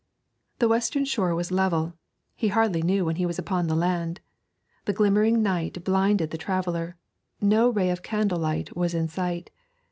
The western shore was level; he hardly knew when he was upon the land. The glimmering night blinded the traveller; no ray of candle light was in sight.